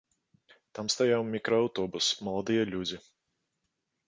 Там стаяў мікрааўтобус, маладыя людзі.